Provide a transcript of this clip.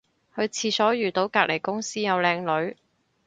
去廁所遇到隔離公司有靚女